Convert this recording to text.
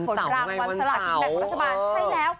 วันเสาร์วะไงวันเสาร์